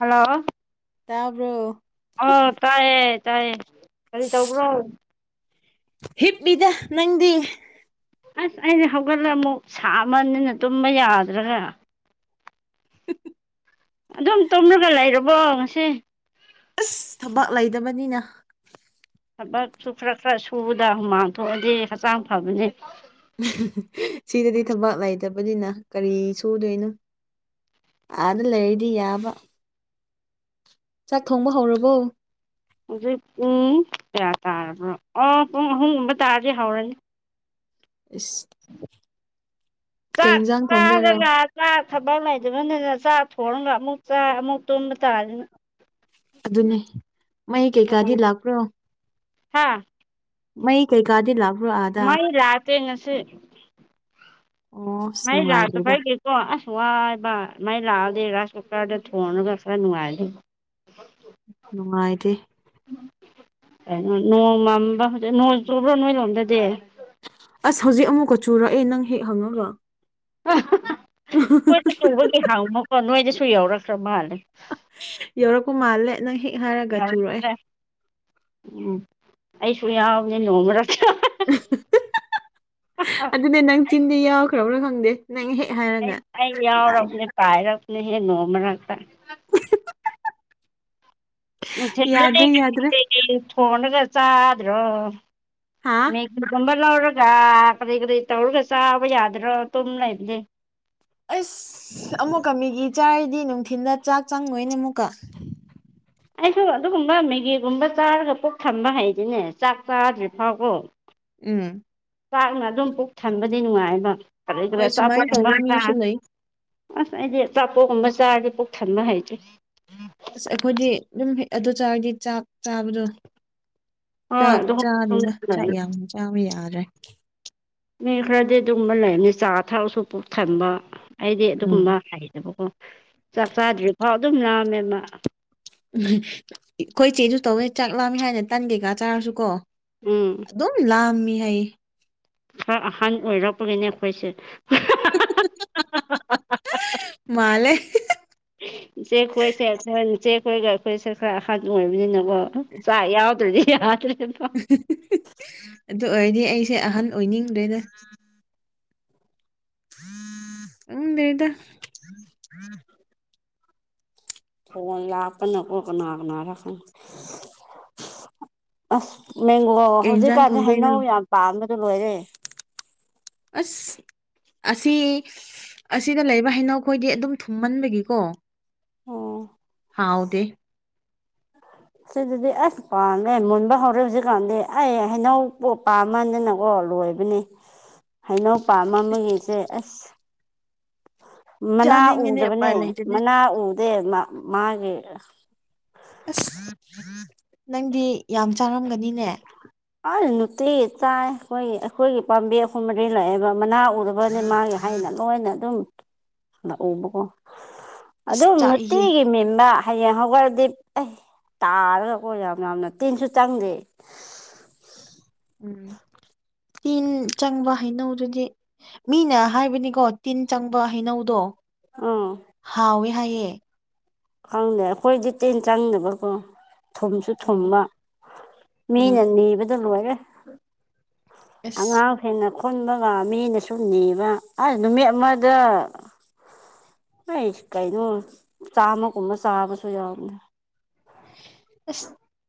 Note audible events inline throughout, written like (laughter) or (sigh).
Hello ꯇꯥꯔꯕ꯭ꯔꯣ ꯑ ꯇꯥꯏꯑ ꯆꯥꯏꯌꯦ ꯀꯔꯤ ꯇꯧꯕ꯭ꯔꯣ ꯍꯤꯞꯂꯤꯗ ꯅꯪꯗꯤ ꯑꯁ ꯑꯩꯁ ꯍꯧꯒꯠꯂꯒ ꯑꯃꯨꯛ ꯁꯥꯕꯅꯤꯅ ꯇꯨꯝꯕ ꯌꯥꯗ꯭ꯔꯒ ꯑꯗꯨꯝ ꯇꯧꯅꯒ ꯂꯩꯔꯕꯣ ꯉꯁꯤ ꯑꯁ ꯊꯕꯥꯛ ꯂꯩꯗꯕꯅꯤꯅ ꯊꯕꯛꯁꯨ ꯈꯔ ꯈꯔ ꯁꯨꯕꯗ ꯍꯨꯃꯥꯡ ꯊꯣꯛꯑꯗꯤ ꯍꯛꯆꯥꯡ ꯐꯕꯅꯤ ꯁꯤꯗꯗꯤ ꯊꯕꯥꯛ ꯂꯩꯇꯕꯅꯤꯅ ꯀꯔꯤ ꯁꯨꯗꯣꯏꯅꯣ ꯑꯥꯗ ꯂꯩꯗꯤ ꯌꯥꯕ ꯆꯥꯛ ꯊꯣꯡꯕ ꯍꯧꯔꯕꯣ ꯍꯧꯖꯤꯛ ꯄꯨꯡ ꯀꯌꯥ ꯇꯥꯔꯕ꯭ꯔꯣ ꯑꯣ ꯄꯨꯡ ꯑꯍꯨꯝꯒꯨꯝꯕ ꯇꯥꯔꯗꯤ ꯍꯧꯔꯅꯤ ꯏꯁ (unintelligible) ꯀꯩ ꯌꯦꯟꯖꯥꯡ ꯈꯣꯡꯗꯔꯣ ꯆꯥ ꯊꯕꯛ ꯂꯩꯇꯕꯅꯤꯅ ꯆꯥꯛ ꯊꯣꯡꯉꯒ ꯑꯃꯨꯛ ꯆꯥ ꯑꯃꯨꯛ ꯇꯨꯝꯕ ꯇꯥꯔꯗꯅ ꯑꯗꯨꯅꯦ ꯃꯩ ꯀꯩꯀꯥꯗꯤ ꯂꯥꯛꯄ꯭ꯔꯣ ꯍꯥꯥ ꯃꯩ ꯀꯩꯒꯗꯤ ꯂ ꯃꯥꯏ ꯂꯥꯛꯑꯇꯦ ꯉꯁ ꯑꯣ ꯑꯁ ꯉ ꯌꯥ ꯅꯨꯡꯉꯥꯏꯇꯦꯗ ꯐꯥꯏ ꯀ ꯑꯣꯣ ꯑꯁ ꯋꯥꯏꯕ ꯃꯥꯏ ꯂꯥꯛꯑꯗꯤ ꯔꯥꯏꯁ ꯀꯨꯀꯔꯗ ꯊꯣꯡꯉꯒ ꯈꯔ ꯅꯨꯡꯉꯥꯏꯔꯗꯤꯦ ꯎꯅꯨꯡꯥꯏꯗꯤ ꯀꯩꯅꯣ ꯅꯣꯡꯃꯝꯕ ꯍꯧꯛ ꯅꯣꯡꯇꯕ꯭ꯔꯣ ꯅꯣꯏ ꯂꯣꯝꯗꯗꯤꯦ ꯑꯁ ꯍꯧꯖꯤꯛ ꯑꯃꯨꯛꯀ ꯆꯨꯔꯛꯑꯦ ꯅꯪ ꯍꯦꯛ ꯍꯪꯉꯅꯕ꯭ꯔꯣ ꯍꯣꯏꯠꯇ ꯂꯧꯕꯒꯤ ꯍꯥꯡꯃꯀꯣ ꯅꯣꯏꯗꯁꯨ ꯌꯥꯎꯔꯛꯈ꯭ꯔ ꯃꯥꯜꯂꯦ ꯌꯧꯔꯛꯄ ꯃꯥꯜꯂꯦ ꯅꯪ ꯍꯦꯛ ꯍꯥꯏꯔꯒ ꯆꯨꯔꯑꯦ ꯌꯧꯔꯛꯈ꯭ꯔꯦ ꯎꯝ ꯑꯩꯁꯨ ꯌꯥꯎꯕꯅꯦ ꯅꯣꯡꯃꯔꯁꯨ ꯑꯗꯨꯅꯦ ꯅꯪ ꯆꯤꯟꯗꯤ ꯌꯥꯎꯈ꯭ꯔꯕ꯭ꯔꯥ ꯈꯪꯗꯦ ꯅꯪ ꯍꯦꯛ ꯍꯥꯏꯔꯒ ꯂꯥꯛꯑꯦ ꯄꯥꯏꯔꯁꯨꯅꯤ ꯍꯦ ꯅꯣꯃꯅꯥꯥꯛꯛꯇ ꯌꯥꯗ꯭ꯔꯦ ꯌꯥꯗ꯭ꯔꯦ ꯎ ꯊꯣꯡꯅꯒ ꯆꯥꯗ꯭ꯔꯣ ꯍꯥ ꯀꯒꯨꯝꯕ ꯂꯧꯔꯒ ꯀꯔꯤꯩ ꯀꯔꯤꯩ ꯇꯧꯔꯒ ꯆꯥꯕ ꯌꯥꯗ꯭ꯔꯣ ꯇꯨꯝ ꯂꯩꯔꯗꯤꯦ ꯑꯁ ꯑꯃꯨꯛꯀ ꯃꯤꯒꯤ ꯆꯥꯔꯤꯗꯤ ꯅꯨꯡꯊꯤꯤꯟꯗ ꯆꯥꯛ ꯆꯪꯉꯣꯏꯅꯦ ꯑꯃꯨꯛꯀ ꯑꯩꯁꯨ ꯑꯗꯨꯒꯨꯝꯕ ꯃꯦꯒꯤꯒꯨꯝꯕ ꯆꯥꯔꯒ ꯄꯨꯛ ꯊꯝꯕ ꯍꯩꯗꯨꯅꯦ ꯆꯥꯛ ꯆꯥꯗ꯭ꯔꯤ ꯐꯥꯎꯀꯣ ꯎꯝ ꯄꯥꯛꯅ ꯑꯗꯨꯝ ꯄꯨꯛ ꯊꯟꯕꯗꯤ ꯅꯨꯡꯉꯥꯏꯕ ꯀꯔ ꯈꯔ ꯍꯣꯏ ꯁꯨꯃꯥꯏꯅ ꯇꯧꯕ ꯑꯆꯥꯄꯣꯠꯥꯡ ꯃꯤꯁꯨ ꯂꯩ ꯑꯁ ꯑꯩꯗꯤ ꯑꯆꯥꯄꯣꯠꯀꯨꯝꯕ ꯆꯥꯔꯗꯤ ꯄꯨꯣꯛ ꯊꯟꯕ ꯍꯩꯇꯦ ꯑꯁ ꯑꯩꯈꯣꯏꯗꯤ ꯑꯗꯨꯝ ꯑꯗꯨ ꯆꯥꯔꯗꯤ ꯆꯥꯛ ꯆꯥꯕꯗꯣ ꯍꯣꯏ ꯆꯥꯛ ꯆꯥꯅꯤꯅ ꯑꯗꯨꯒꯨꯝꯕ ꯆꯥꯛ ꯌꯥꯝ ꯆꯥꯃ ꯌꯥꯗ꯭ꯔꯦ ꯃꯤ ꯈꯔꯗꯤ ꯑꯗꯨꯒꯕ ꯂꯩꯔꯅꯤ ꯆꯥ ꯊꯛꯁꯨ ꯄꯨꯛ ꯊꯟꯕ ꯑꯩꯗꯤ ꯎꯝ ꯑꯗꯨꯒꯨꯝꯕ ꯍꯩꯗꯕꯀꯣ ꯆꯥꯛ ꯆꯥꯗ꯭ꯔꯤꯐꯥꯎ ꯑꯗꯨꯝ ꯂꯥꯝꯃꯦ ꯎꯝ ꯑꯩꯈꯣꯏ ꯆꯦꯁꯨ ꯇꯧꯦ ꯆꯥꯛ ꯂꯥꯝꯃꯤ ꯍꯥꯏꯅ ꯇꯟꯒꯦꯒ ꯆꯥꯔꯁꯨ ꯀꯣ ꯎꯝ ꯑꯗꯨꯝ ꯂꯥꯝꯃꯤ ꯍꯥꯏ ꯈꯔ ꯑꯍꯟ ꯑꯣꯏꯔꯛꯄꯒꯤꯅꯦ ꯑꯩꯈꯣꯏꯁꯦ ꯃꯥꯂꯦ ꯏꯆꯦ ꯈꯣꯏꯁꯦ ꯈꯔ ꯏꯆꯦ ꯀꯣꯏꯒ ꯑꯩꯈꯣꯏꯁꯦ ꯈꯔꯍ ꯑꯣꯏꯕꯅꯤꯅꯀꯣ ꯁꯥ ꯌꯥꯎꯗ꯭ꯔꯔꯤꯗꯤ ꯌꯥ ꯑꯗꯨ ꯑꯣꯏꯔꯗꯤ ꯑꯩꯁꯦ ꯑꯍꯟ ꯑꯣꯏꯅꯤꯡꯗ꯭ꯔꯦꯗ ꯎꯝ ꯎ ꯂꯩꯗ ꯎꯝ ꯎꯝ ꯐꯣꯟ ꯂꯥꯛꯀꯅ ꯀ ꯀꯅꯥ ꯀꯅꯥꯔꯀꯅꯤ ꯑꯁ ꯃꯦꯡꯒꯣ ꯀꯩ ꯌꯦꯟꯁꯥꯡ ꯍꯧꯖꯤꯛꯀꯥꯟꯗꯤ ꯊꯣꯡꯗꯣꯏꯅꯣ ꯍꯩꯅꯧ ꯌꯥꯝ ꯄꯥꯝꯕꯗꯣ ꯂꯣꯏꯔꯦ ꯑꯁ ꯑꯁꯤ ꯑꯁꯤꯗ ꯂꯩꯔꯤꯕ ꯍꯩꯅꯧꯈꯣꯏꯗꯤ ꯑꯗꯨꯝ ꯊꯨꯝꯃꯟꯕꯒꯤꯀꯣ ꯑꯣ ꯍꯥ ꯍꯥꯎꯗꯦ ꯁꯤꯗꯗꯤ ꯑꯁ ꯄꯥꯝꯃꯦ ꯃꯨꯟꯕ ꯍꯧꯔꯦ ꯍꯧꯖꯤꯛꯀꯥꯟꯗꯤ ꯑꯩ ꯍꯩꯅꯧ ꯄꯥꯝꯃꯅꯤ ꯅꯪ ꯑꯣ ꯂꯣꯏꯕꯅꯤ (unintelligible) ꯍꯩꯅꯧꯄꯥ ꯑꯃꯒꯤꯁꯦ ꯑꯁ ꯃꯅꯥ ꯆꯥꯅꯤꯡꯉꯤꯅꯦ ꯎꯄꯥꯏ ꯎꯗꯕꯅꯦ ꯂꯩꯇꯦꯅꯦ ꯃꯅꯥ ꯎꯗꯦ ꯃꯥꯒꯤ ꯑꯁ ꯅꯪꯗꯤ ꯌꯥꯝ ꯆꯥꯔꯝꯒꯅꯤꯅꯦ ꯑ ꯅꯨꯡꯇꯤ ꯆꯥꯏ ꯑꯩꯈꯣꯏꯒꯤ ꯑꯩꯈꯣꯏꯒꯤ ꯄꯥꯝꯕꯤ ꯑꯍꯨꯝ ꯃꯔꯤ ꯂꯥꯛꯑꯦꯕ ꯃꯅꯥ ꯎꯗꯕꯅꯦ ꯃꯥꯒꯤ ꯍꯥꯏꯅ ꯂꯣꯏꯅ ꯑꯗꯨꯝ ꯂꯎꯕꯀꯣ ꯑꯁ ꯑꯗꯨꯝ ꯆꯥꯛꯏꯍꯦ ꯅꯨꯡꯇꯤꯒꯤ ꯏ ꯃꯦꯝꯕ ꯍꯌꯦꯡ ꯍꯧꯒꯠꯂꯗꯤ ꯑꯩ ꯇꯥꯔꯒꯀꯣ ꯌꯥꯝ ꯌꯥꯝꯅ ꯇꯤꯟꯁꯨ ꯆꯪꯗꯦ ꯎꯝ ꯇꯤꯟ ꯆꯪꯕ ꯍꯩꯅꯧꯗꯨꯗꯤ ꯃꯤꯅ ꯍꯥꯏꯕꯅꯤꯀꯣ ꯇꯤꯟ ꯆꯪꯕ ꯍꯩꯅꯧꯗꯣ ꯑꯥ ꯍꯥꯎꯋꯤ ꯍꯥꯏꯌꯦ ꯈꯪꯗꯦ ꯑꯩꯈꯣꯏꯗꯤ ꯇꯦꯟ ꯆꯪꯗꯕꯀꯣ ꯊꯨꯝꯁꯨ ꯎꯝ ꯊꯨꯝꯕ ꯃꯤꯅ ꯎꯝ ꯅꯤꯕꯗ ꯂꯣꯏꯔꯦ꯫ ꯑꯁ (unintelligible) ꯍꯦꯟꯅ ꯈꯨꯟꯕ ꯉ ꯃꯤꯅ ꯁꯨꯝ ꯅꯦꯕ ꯑꯁ ꯅꯨꯃꯤꯠ ꯑꯃꯗ ꯑꯩ ꯀꯩꯅꯣ ꯆꯥꯝꯃꯒꯨꯝꯕ ꯆꯥꯕꯁꯨ ꯌꯥꯎꯅꯤ꯫ (unintelligible)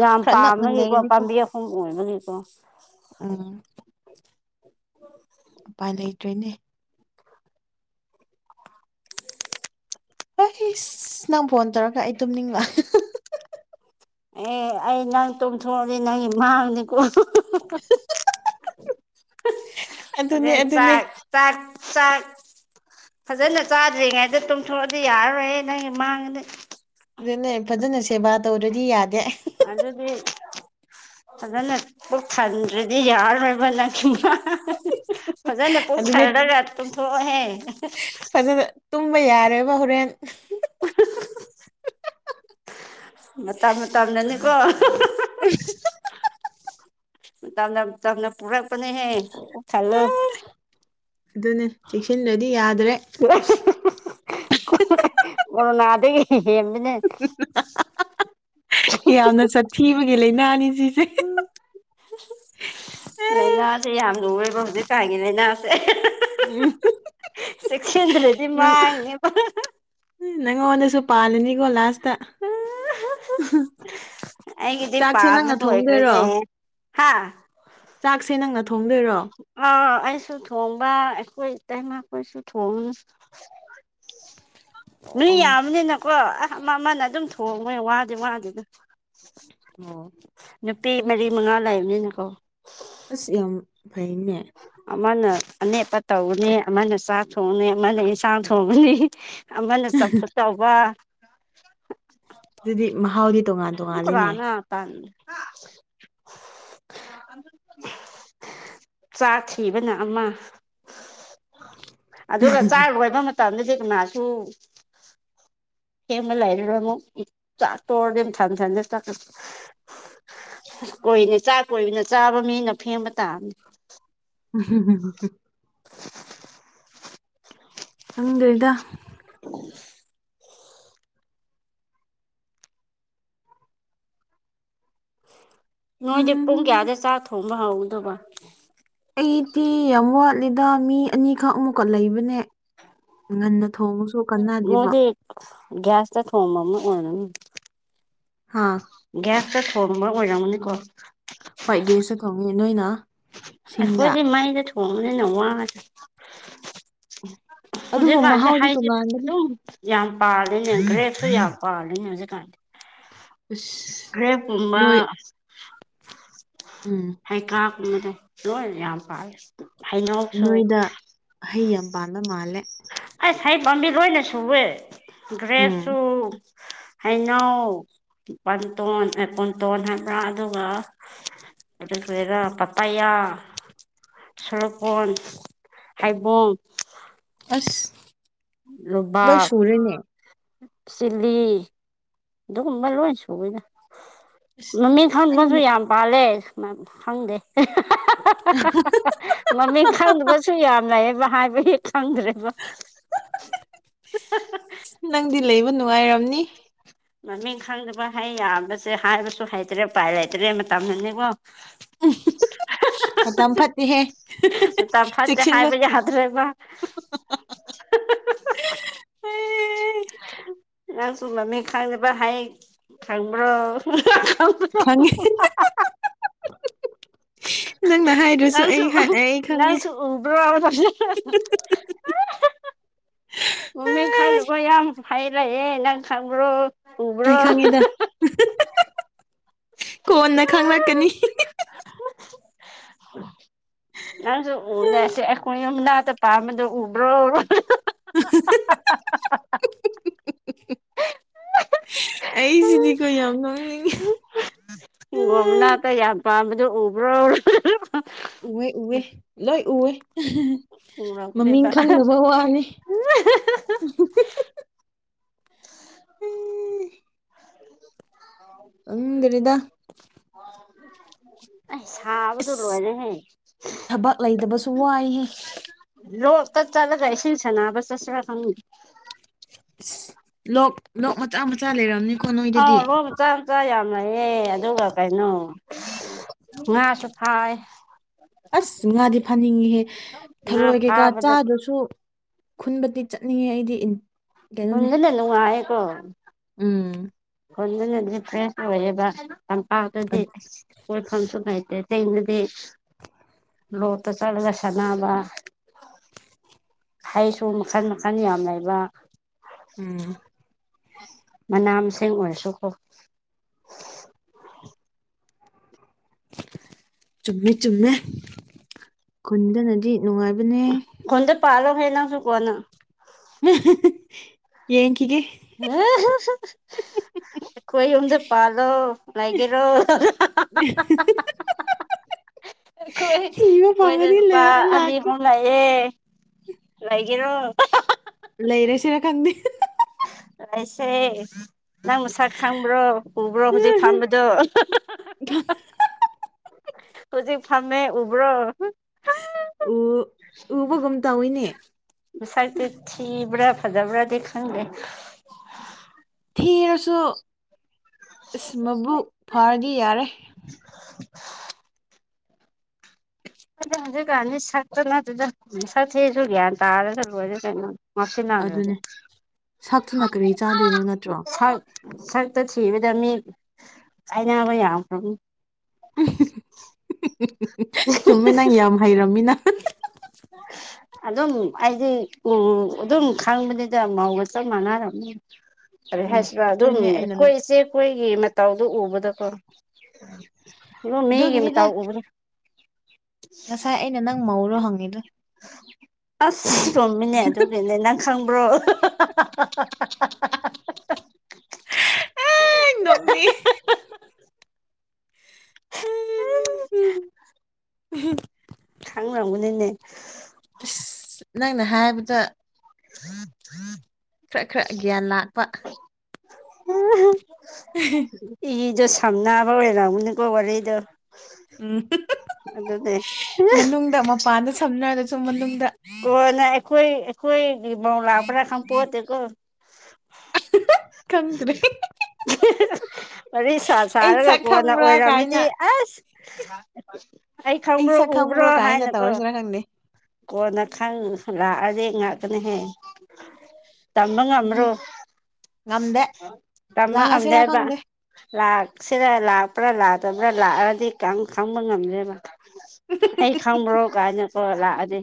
ꯌꯥꯝ ꯈꯔ ꯅꯛꯅ ꯄꯥꯝꯕꯒꯤꯀꯣ ꯂꯩꯔꯗꯤꯀꯣ ꯄꯥꯝꯕꯤ ꯑꯍꯨꯝ ꯑꯣꯏꯕꯒꯤꯀꯣ꯫ ꯎꯝ ꯎꯄꯥꯏ ꯂꯩꯇ꯭ꯔꯣꯏꯅꯦ꯫ ꯍꯣꯏꯁ ꯅꯪ ꯐꯣꯟ ꯇꯧꯔꯒ ꯑꯩ ꯇꯨꯝꯅꯤꯡꯕ (unintelligible) ꯑꯦ ꯑꯩ ꯅꯪ ꯇꯣꯡꯝꯊꯣꯛꯑꯗꯤ ꯅꯪ ꯃꯥꯡꯅꯤꯀꯣ ꯑꯗꯨꯅꯦ (unintelligible) (unintelligible) ꯑꯗꯨꯅꯦ ꯆꯥꯛ ꯆꯥꯛ ꯆꯥꯛ ꯐꯖꯅ ꯆꯥꯗ꯭ꯔꯤꯉꯩꯗ ꯇꯨꯝꯊꯣꯛꯑꯗꯤ ꯌꯥꯔꯔꯣꯏꯍꯦ ꯅꯪꯒꯤ ꯃꯥꯡꯉꯅꯤ꯫ ꯑꯗꯨꯅꯦ ꯐꯖꯅ ꯁꯦꯕꯥ ꯇꯧꯔꯗꯤ ꯌꯥꯗꯦ꯫ (unintelligible) ꯑꯗꯨꯅꯠꯄ ꯊꯟ꯭ꯔꯗꯤ ꯌꯥꯔ (unintelligible) ꯐꯖꯅ ꯄꯨꯡ ꯑꯗꯨꯅꯦ ꯊꯜꯂꯒ ꯇꯨꯝꯊꯣꯛꯑꯣꯍꯦ꯫ ꯐꯖꯅ ꯇꯨꯝꯕ ꯌꯥꯔꯣꯏꯕ ꯍꯣꯔꯦꯟ꯫ ꯃꯇ ꯃꯇꯝꯅꯅꯤꯀꯣ (unintelligible) (unintelligible) (unintelligible) ꯇꯅ ꯇꯅ ꯄꯨꯔꯛꯄꯅꯦ ꯍꯦ ꯈꯜꯂ꯫ ꯑꯗꯨꯅꯦ ꯆꯦꯛꯁꯤꯟꯗ꯭ꯔꯗꯤ ꯌꯥꯗ꯭ꯔꯦ꯫ (unintelligible) ꯅꯗꯒꯤ ꯍꯦꯟꯗꯅꯦ꯫ (unintelligible) ꯌꯥꯝꯅ ꯆꯊꯤꯕꯒꯤ ꯂꯥꯏꯅꯥꯅꯤ ꯁꯤꯁꯦ꯫ ꯂꯥꯏꯅꯥꯁꯦ ꯌꯥꯝ ꯂꯋꯦꯕ ꯍꯧꯖꯤꯛꯀꯥꯟꯒꯤ ꯂꯥꯏꯅꯥꯁꯦ꯫ ꯎꯝ (unintelligible) ꯆꯦꯛꯁꯤꯟꯗ꯭ꯔꯗꯤ ꯅꯪ ꯃꯥꯡꯅꯦ ꯅꯪꯉꯣꯟꯗꯁꯨ ꯄꯥꯜꯂꯅꯤꯀꯣ ꯂꯥꯁꯇ꯫ ꯑꯩꯒꯗꯤ ꯄ ꯆꯥꯛꯁꯦ ꯃ ꯅꯪꯅ ꯍꯣꯏ ꯊꯣꯡꯗꯣꯏꯔꯣ ꯀꯔꯗꯦ ꯍꯥ꯫ ꯆꯥꯛꯁꯦ ꯅꯪꯅ ꯊꯣꯡꯗꯣꯏꯔꯣ꯫ ꯑꯥ ꯑꯩꯁꯨ ꯊꯣꯡꯕ ꯑꯈꯣꯏ ꯏꯇꯩꯃꯈꯣꯏꯁꯨ ꯊꯣꯡꯉꯤ꯫ (unintelligible) ꯃꯤ ꯑꯣ ꯑꯣ ꯌꯥꯝꯕꯅꯤꯅꯀꯣ ꯑ ꯑꯃ ꯑꯃꯅ ꯑꯗꯨꯝ ꯊꯣꯡꯕꯣꯏ ꯋꯥꯗꯤ ꯋꯥꯗꯅ꯫ ꯑꯣ ꯅꯨꯄꯤ ꯃꯔꯤ ꯃꯉꯥ ꯂꯩꯕꯅꯤꯅꯀꯣ꯫ ꯑꯁ ꯌꯥꯝ ꯐꯩꯅꯦ꯫ ꯑꯃꯅ ꯑꯅꯠꯄ ꯇꯧꯕꯅꯤ ꯑꯃꯅ ꯆꯥꯛ ꯊꯣꯡꯅꯤ ꯑꯃꯅ ꯏꯟꯁꯥꯡ ꯊꯣꯡꯉꯅꯤ꯫ ꯑꯃꯅ ꯆꯝꯐꯨꯠ ꯇꯧꯕ ꯑꯗꯨꯗꯤ ꯃꯍꯥꯎꯗꯤ ꯇꯣꯡꯉꯥꯟꯂꯦ꯫ (unintelligible) ꯆꯥꯛ ꯊꯤꯕꯅ ꯑꯃ (unintelligible) ꯑꯗꯨꯒ ꯆꯥꯛ ꯂꯣꯏꯕ ꯃꯇꯝꯗꯗꯤ ꯀꯅꯥꯁꯨ ꯍꯦꯡꯕ ꯂꯩꯔꯨꯔꯦ ꯑꯃꯨꯛ ꯆꯥꯛꯇꯣꯔꯔꯗꯤ ꯊꯟ ꯊꯟꯁꯦ ꯆꯥꯛ ꯀꯣꯏꯅꯦ ꯆꯥꯛ ꯀꯣꯏꯃꯤꯅ ꯆꯥꯕ ꯃꯤꯅ ꯐꯦꯡꯕ ꯇꯥꯕꯅꯤ꯫ ꯎ (unintelligible) ꯍꯪꯗ꯭꯭ꯔꯦꯗ (unintelligible) ꯅꯣꯏꯁꯦ ꯄꯨꯡ ꯎꯝ ꯀꯌꯥꯗ ꯆꯥꯛ ꯊꯣꯡꯕ ꯍꯧꯗꯣꯕ꯫ ꯑꯩꯗꯤ ꯌꯥꯝ ꯋꯥꯠꯂꯤꯗ ꯃꯤ ꯑꯅꯤꯈꯛ ꯑꯃꯨꯛꯀ ꯂꯩꯕꯅꯦ꯫ ꯉꯟꯅ ꯊꯣꯡꯉ ꯃꯣꯢꯗꯤ ꯒ꯭ꯌꯥꯁꯇ ꯊꯣꯡꯕ ꯑꯣꯢꯔꯝꯅꯤ ꯍꯥꯥ ꯒ꯭ꯌꯥꯁꯇ ꯊꯣꯡꯕ ꯑꯣꯏꯔꯝꯒꯅꯤꯀꯣ ꯍꯣꯏ ꯒ꯭ꯌꯥꯁꯇ ꯊꯣꯡꯉꯤ ꯅꯣꯏꯅ ꯁꯤꯡꯗ ꯑꯩꯈꯣꯏꯗꯤ ꯃꯩꯗ ꯊꯣꯡꯕꯅꯤꯅ ꯋꯥꯏ ꯑꯗꯨꯕꯨ ꯍꯧꯖꯤꯛꯀꯥꯟꯁꯦ ꯃꯍꯥꯎꯗꯤ ꯍꯩꯁꯦ ꯇꯣꯉꯥꯟꯕꯅꯤ ꯑꯗꯨꯝ ꯌꯥꯝ ꯄꯥꯜꯂꯤꯅꯦ ꯒ꯭ꯔꯦꯞꯁꯨ ꯌꯥꯝ ꯄꯥꯜꯂꯤꯅꯦ ꯍꯧꯖꯤꯛꯀꯥꯟ ꯑꯁ ꯒ꯭ꯔꯦꯞꯀꯨꯝꯕ ꯅꯣꯏ ꯎꯝ ꯍꯩꯀꯥꯀꯨꯝꯕꯗ ꯂꯣꯏ ꯌꯥꯝ ꯄꯥꯝꯂꯦ ꯅꯣꯏꯗ ꯍꯩ ꯌꯥꯝ ꯄꯥꯟꯕ ꯃꯥꯜꯂꯦ ꯑ ꯍꯩ ꯄꯥꯝꯕꯤ ꯂꯣꯏꯅ ꯁꯨꯋꯦ ꯎꯝ ꯒ꯭ꯔꯦꯞꯁꯨ ꯍꯩꯅꯧ ꯄꯟꯇꯣꯟ ꯄꯨꯟꯇꯣꯟ ꯍꯥꯏꯕ꯭ꯔꯥ ꯑꯗꯨꯒ ꯑꯗꯨ ꯀꯔꯤꯔ ꯄꯄꯌꯥ ꯆꯣꯔꯣꯐꯣꯟ ꯍꯩꯕꯣꯡ ꯑꯁ ꯂꯣꯏ ꯅꯣꯕꯥꯥꯞ ꯁꯨꯔꯦꯅꯦ ꯆꯤꯜꯂꯤ ꯑꯗꯨꯒꯨꯝꯕ ꯂꯣꯏ ꯁꯨꯏꯌꯦꯗ ꯑꯁ ꯃꯃꯤꯡ ꯅꯪꯗꯤ ꯈꯪꯕꯁꯨ ꯅꯨ- ꯌꯥꯝ ꯄꯥꯜꯂꯦ ꯈꯪꯗꯦ ꯃꯃꯤꯡ ꯈꯪꯗꯕꯁꯨ ꯌꯥꯝꯅ ꯂꯩꯌꯦ ꯍꯥꯏꯕ ꯍꯦꯛ ꯈꯪꯗ꯭ꯔꯦ ꯋꯥ ꯅꯪꯗꯤ ꯂꯩꯕ ꯅꯨꯡꯉꯥꯏꯔꯝꯅꯤ ꯃꯃꯤꯡ ꯈꯪꯗꯕ ꯍꯩ ꯌꯥꯝꯕꯁꯦ ꯍꯥꯏꯕꯁꯨ ꯍꯩꯇ꯭ꯔꯦ ꯎꯄꯥꯏ ꯂꯩꯇ꯭ꯔꯦ ꯃꯇꯝꯅꯅꯤꯀꯣ ꯃꯇꯝ ꯐꯠꯇꯦꯍꯦ (unintelligible) ꯃꯇꯝ ꯐꯠꯇꯦ ꯆꯦꯛꯁꯤꯜꯂꯣ ꯍꯥꯏꯕ ꯌꯥꯗ꯭ꯔꯦꯕ ꯑꯦ, ꯅꯪꯁꯨ ꯃꯃꯤꯡ ꯈꯪꯗꯕ ꯍꯩ ꯈꯪꯕ꯭ꯔꯣ ꯈꯪꯉꯦ ꯅꯪꯅ ꯍꯥꯏꯗ꯭ꯔꯁꯨ ꯅꯪꯁꯨ ꯑꯩ ꯍꯥꯏ- ꯑꯩ ꯈꯪꯉꯦ ꯅꯪꯁꯨ ꯎꯕ꯭ꯔꯣ ꯃꯃꯤ ꯑꯦ, ꯈꯪꯗꯕ ꯌꯥꯝ ꯍꯩ ꯂꯩꯌꯦ ꯅꯪ ꯈꯪꯕ꯭ꯔꯣ ꯑꯩ ꯎꯕ꯭ꯔꯣ ꯈꯪꯉꯤꯗ ꯀꯣꯟꯅ ꯈꯪꯪꯂꯛꯀꯅꯤ ꯅꯁꯨ ꯎꯟꯅꯁꯦ ꯑꯈꯣꯏ ꯄꯝꯕꯗꯣ ꯎꯕ꯭ꯔꯣ (inaudible) ꯑꯩꯁꯤꯗꯤꯀꯣ ꯌꯥꯝ ꯅꯣꯛꯅꯤꯡꯉꯦ ꯒꯣꯝ ꯅꯥꯞꯄꯥ ꯌꯥꯝ ꯄꯥꯝꯕꯗꯨ ꯎꯕ꯭ꯔꯣ ꯎꯏ ꯎꯏ ꯂꯣꯏ ꯎꯏ ꯃꯃꯤꯡ ꯎꯔꯛꯅꯦꯕ ꯈꯪꯗꯅꯕ ꯋꯥꯅꯤ ꯈꯪꯗ꯭ꯔꯦꯗ (inaudible) ꯑꯩ ꯁꯥꯕꯗꯨ ꯑꯁ ꯂꯣꯏꯔꯦꯍꯦ ꯊꯕꯛ ꯂꯩꯇꯕꯁꯨ ꯋꯥꯏꯍꯦ ꯂꯣꯛꯇ ꯆꯠꯂꯒ ꯏꯁꯤꯡ ꯁꯥꯅꯕꯅ ꯆꯠꯁꯤꯔ ꯈꯪ ꯂꯣꯛ ꯂꯣꯛ ꯃꯆꯥ ꯃꯆꯥ ꯂꯩꯔꯝꯅꯤ ꯑꯥꯎ ꯂꯣꯛ ꯃꯆꯥ ꯃꯆꯥ ꯌꯥꯝ ꯂꯩꯌꯦ ꯑꯗꯨꯒ ꯀꯩꯅꯣ ꯉꯥꯁꯨ ꯐꯥꯏ ꯑꯁ ꯉꯥꯗꯤ ꯐꯅꯤꯡꯉꯤꯍꯦ ꯉꯥ ꯊꯔꯣꯏ ꯀꯩꯀꯥ ꯐꯥꯕꯗ ꯆꯥꯗ꯭ꯔꯁꯨ ꯈꯨꯟꯕꯗꯤ ꯆꯠꯅꯤꯡꯉꯦ ꯑꯩꯗꯤ ꯀꯩꯅꯣꯅꯦ ꯅꯨꯡꯉꯥꯏꯀꯣ ꯎꯝ ꯍꯣꯟꯗꯅꯗꯤ ꯐ꯭ꯔꯦꯁ ꯑꯣꯏꯌꯦꯕ ꯇꯝꯄꯥꯛꯇꯗꯤ ꯀꯣꯏꯐꯝꯁꯨ ꯂꯩꯇꯦ ꯆꯤꯡꯗꯗꯤ ꯂꯣꯛꯇ ꯆꯠꯂꯒ ꯁꯥꯟꯅꯕ ꯍꯩꯁꯨ ꯃꯈꯟ ꯃꯈꯟ ꯌꯥꯝ ꯂꯩꯕ ꯎꯝ ꯃꯅꯥ ꯃꯁꯤꯡ ꯑꯣꯏꯔꯁꯨꯀꯣ ꯆꯨꯝꯃꯦ ꯆꯨꯝꯃꯦ ꯈꯨꯟꯗꯅꯗꯤ ꯅꯨꯡꯉꯥꯏꯕꯅꯦ ꯀꯣꯟꯗ ꯄꯥꯂꯣꯍꯦ ꯅꯪꯁꯨꯨ ꯀꯣꯟꯅ ꯌꯦꯡꯒꯤꯒꯦ (inaudible) ꯈꯣꯏ ꯌꯨꯝꯗ ꯄꯥꯜꯂꯣ ꯂꯩꯒꯦꯔꯣ ꯑꯩꯈꯣꯏ ꯊꯕ ꯐꯉꯗꯤ ꯂ ꯂꯥꯛꯀ ꯂꯥꯛꯑꯦꯍꯦ ꯂꯩꯒꯦꯔꯣ ꯂꯩꯔꯁꯤꯔ ꯈꯪꯗꯦ ꯂꯩꯁꯦ ꯅꯪ ꯃꯁꯛ ꯈꯪꯕ꯭ꯔꯣ ꯎꯕ꯭ꯔꯣ ꯍꯧꯖꯤꯛ ꯐꯝꯕꯗꯣ (inaudible) ꯍꯧꯖꯤꯛ ꯐꯝꯃꯦ ꯎꯕ꯭ꯔꯣ ꯎ ꯎꯕꯒꯨꯝ ꯇꯧꯋꯤꯅꯦ ꯃꯁꯛꯇꯤ ꯊꯤꯕ꯭ꯔꯥ ꯐꯖꯕ꯭ꯔꯥꯗꯤ ꯈꯪꯗꯦ ꯊꯤꯔꯁꯨ ꯑꯁ ꯃꯕꯨꯛ ꯐꯥꯔꯗꯤ ꯌꯥꯔꯦ (inaudible) ꯑꯗꯨ ꯍꯧꯖꯤꯛꯀꯥꯟꯗꯤ ꯁꯛꯇ ꯅꯠꯇꯗ ꯁꯛꯊꯦꯁꯨ ꯒ꯭ꯌꯥꯟ ꯇꯥꯔꯒꯁꯨ ꯂꯣꯏꯔꯦ ꯀꯩꯅꯣ ꯉꯥꯎꯁꯤꯟꯅꯗꯔꯥꯗꯤ ꯑꯗꯨꯅꯦ ꯁꯛꯇꯨꯅ ꯀꯔꯤ ꯆꯥꯗꯣꯏꯅꯣ ꯅꯠꯇ꯭ꯔꯣ ꯁꯥꯛ ꯁꯛꯇ ꯊꯤꯕꯗꯤ ꯃꯤ ꯀꯥꯟꯅꯕ ꯌꯥꯝꯈꯔꯥꯕꯅꯤ ꯆꯨꯝꯃꯦ ꯅꯪ ꯌꯥꯝ ꯍꯩꯔꯝꯃꯤꯅ (inaudible) ꯑꯗꯨꯝ ꯑꯩꯗꯤ ꯎ ꯑꯗꯨꯝ ꯈꯪꯕꯅꯤꯗ ꯃꯧꯒ ꯆꯞ ꯃꯥꯟꯅꯔꯕꯅꯤ ꯑ ꯎꯝ ꯍꯥꯏꯁꯤꯔ ꯑꯗꯨꯝ ꯑꯗꯨꯅꯦ ꯑꯩꯅ ꯑꯩꯈꯣꯏ ꯅꯪ ꯏꯆꯦ ꯑꯩꯈꫭꯏꯒꯤ ꯃꯇꯥꯎꯗꫭ ꯎꯕꯗꯀꯣ ꯑꯗꯨꯝ ꯃꯤꯒꯤ ꯑꯗꯨꯒꯤꯅꯤꯗ ꯃꯇꯧ ꯎꯕꯗ ꯉꯁꯥꯏ ꯅꯪ ꯃꯧꯔꫭ ꯍꯪꯉꯤꯗꫭ ꯑꯁ ꯆꯨꯝꯃꯤꯅꯦ ꯑꯗꯨꯒꯤꯅꯦ ꯅꯪ ꯈꯪꯕ꯭ꯔꯣ ꯑ ꯅꯣꯛꯅꯤ ꯈꯥꯡꯅꯒꯅꯤꯅꯦ ꯑꯁ ꯅꯪꯅ ꯍꯥꯏꯕꯗ (unintelligible) (inaudible) ꯈꯔ ꯈꯔ ꯒ꯭ꯌꯥꯟ ꯂꯥꯛꯄ ꯎꯝꯍꯨꯝ ꯎꯡ (inaudible) ꯏꯗꫭ ꯁꯝꯅꯕ ꯑꯣꯏꯔꯝꯒꯅꯤꯀꯣ ꯋꯥꯔꯤꯗꫭ ꯎꯝ ꯃꯅꯨꯡꯗ ꯃꯄꯥꯟꯗ ꯁꯝꯅꯔꯒꯁꯨ ꯃꯅꯨꯡꯗ ꯀꯣꯟ ꯅꯪ ꯑꯩꯈꯣꯏ ꯑꯩꯈꯣꯏꯒꯤ ꯃꯩ ꯂꯥꯛꯄ꯭ꯔꯥ ꯈꯪꯄꯣꯟꯇꯦꯀꯣ ꯈꯪꯗꯔꯦ ꯋꯥꯔꯤ ꯁꯥ ꯑꯩ ꯁꯥꯔꯒ ꯁꯛ ꯀꯣꯟꯅ ꯈꯪꯕ꯭ꯔꯥ ꯑꯣꯏꯔꯝꯃꯗꯤ ꯀꯥꯏꯅ ꯑꯁ ꯑꯩ ꯈꯪꯕ꯭ꯔꯣ ꯁꯛ ꯎꯕ꯭ꯔꯣ ꯈꯪꯕ꯭ꯔꯣ ꯀꯥꯏꯅ ꯍꯥꯏꯅꯀꯣ ꯇꯧꯔꯁꯤꯔꯥ ꯈꯪꯗꯦ ꯀꯣꯟꯅ ꯈꯪ ꯂꯥꯛꯑꯗꯤ ꯉꯥꯛ ꯀꯅꯤꯍꯦ ꯇꯝꯕ ꯎꯝ ꯉꯝꯕꯔꫭ ꯉꯝꯗꯦ ꯇꯝꯕ ꯂꯥꯛꯑꯁꯤꯔꯥ ꯉꯝꯗꯦꯕꯥ ꯈꯪꯗꯦ ꯂꯥꯛꯁꯤꯔꯥ ꯂꯥꯛꯄ꯭ꯔꯥ ꯂꯥꯛꯇꯕ꯭ꯔꯥ ꯂꯥꯛꯑꯗꯤ ꯈꯪꯕ ꯉꯝꯗ꯭ꯔꯦꯕ ꯑꯩ ꯈꯪꯕ꯭ꯔꯣ ꯀꯥꯏꯅ ꯂꯥꯛꯑꯗꯤ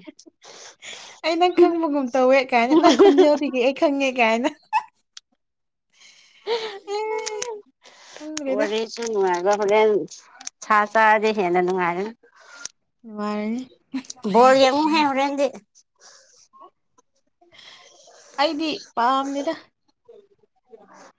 ꯑꯩ ꯅꯪ ꯈꯪꯕꯒꯨꯝ ꯇꯧꯋꯦ ꯀꯥꯏꯅ ꯅꯪ ꯈꫭꯟꯖꯦꯜ ꯗꯒꯤ ꯅꯪ ꯈꯤꯉꯦ ꯀꯥꯏꯅ ꯑꯦ ꯈꯪꯗ꯭ꯔꯦꯗ ꯋꯥꯔꯤ ꯋꯥꫪꯤꯁꯨ ꯅꯨꯡꯉꯥꯏꯕ ꯍꯣꯔꯦꯟ ꯁꯥ ꯆꯥꯔꯗꯤ ꯍꯦꯟꯅ ꯅꯨꯡꯉꯥꯏꯒꯅꯤ ꯅꯨꯡꯉꯥꯏꯔꯅꯤ ꯕꯣꯜ ꯌꯦꯉꯅꯨꯡ ꯍꯦꯔꯦꯟꯦ ꯑꯩꯗꯤ ꯄꯥꯝꯅꯤꯗ (inaudible)